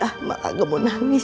udah boy ah mak gak mau nangis